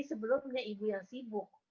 sebelumnya ibu yang sibuk